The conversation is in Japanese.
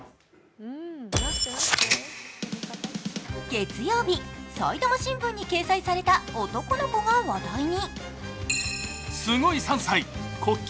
月曜日、「埼玉新聞」に掲載された男の子が話題に。